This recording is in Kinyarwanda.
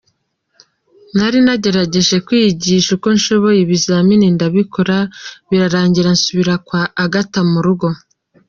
Nari nagerageje kwiyigisha uko nshoboye ibizami ndabikora birarangira nsubira kwa Agatha mu rugo.